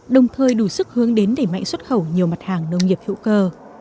đồng thời đủ sức hướng đến đẩy mạnh xuất khẩu nhiều mặt hàng nông nghiệp hữu cơ